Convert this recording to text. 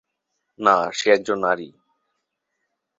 না, সে একজন নারী।